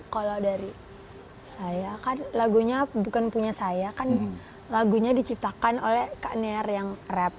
kalau dari saya kan lagunya bukan punya saya kan lagunya diciptakan oleh kak near yang rap